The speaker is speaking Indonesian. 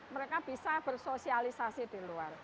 mereka bisa bersosialisasi di luar